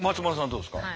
どうですか。